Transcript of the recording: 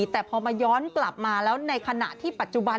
แต่พอมาย้อนกลับมาแล้วในขณะที่ปัจจุบัน